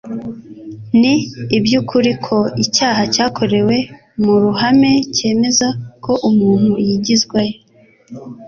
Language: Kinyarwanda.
Ni iby'ukuri ko icyaha cyakorewe mu ruhame cyemeza ko umuntu yigizwayo;